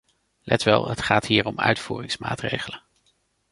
Let wel, het gaat hier om uitvoeringsmaatregelen.